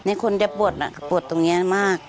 นี่คนจะปวดปวดตรงนี้มาก